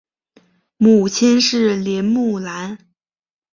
母亲是林慕兰。